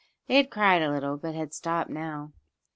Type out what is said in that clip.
They had cried a little, but had stopped now.